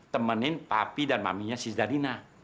temenin papi dan maminya si zalina